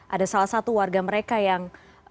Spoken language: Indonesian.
ada salah satu warga mereka yang